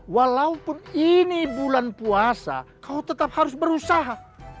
walaupun ini bulan puasa kau tetap harus berusaha